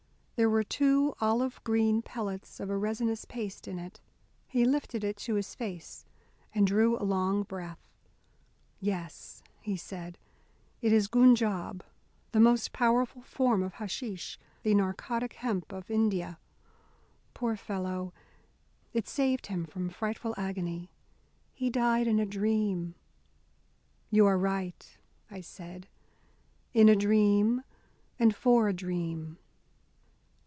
There were two olive green pellets of a resinous paste in it. He lifted it to his face, and drew a long breath. "Yes," he said, "it is Gunjab, the most powerful form of Hashish, the narcotic hemp of India. Poor fellow, it saved him from frightful agony. He died in a dream." "You are right," I said, "in a dream, and for a dream."